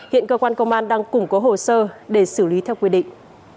hiện cơ quan công an đang củng cố hồ sơ để xử lý theo quy định